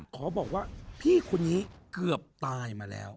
ขอบอกว่าพี่คนนี้เกือบตายมาแล้ว